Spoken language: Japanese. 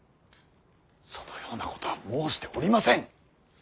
そのようなことは申しておりません。